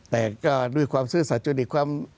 แต่ด้วยความซึ่งสาจุดิก์ความ